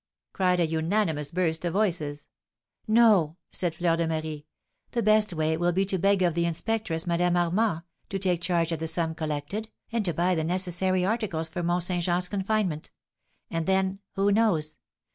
cried a unanimous burst of voices. "No," said Fleur de Marie; "the best way will be to beg of the inspectress, Madame Armand, to take charge of the sum collected, and to buy the necessary articles for Mont Saint Jean's confinement; and then, who knows?